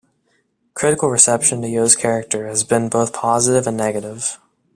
Critical reception to Yoh's character has been both positive and negative.